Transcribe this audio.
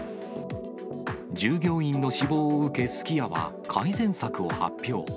従業員の死亡を受けすき家は、改善策を発表。